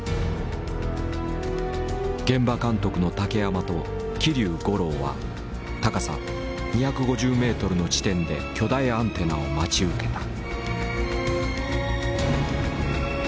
現場監督の竹山と桐生五郎は高さ２５０ｍの地点で巨大アンテナを待ち受けた。